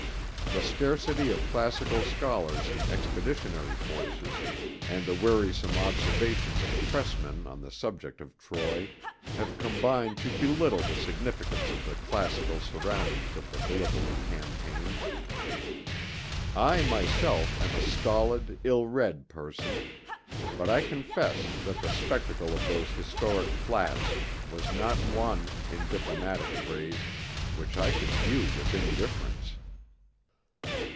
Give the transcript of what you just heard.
The scarcity of classical scholars in Expeditionary Forces, and the wearisome observations of pressmen on the subject of Troy, have combined to belittle the significance of the classical surroundings of the Gallipoli campaign. I myself am a stolid, ill read person, but I confess that the spectacle of those historic flats was not one, in diplomatic phrase, which I could view with indifference.